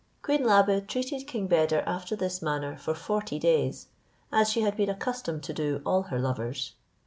Queen Labe treated King Beder after this manner for forty days, as she had been accustomed to do all her lovers.